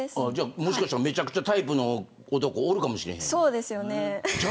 もしかしたら、めちゃくちゃタイプの男がおるかもしれん。